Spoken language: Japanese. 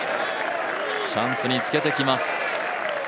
チャンスにつけてきます。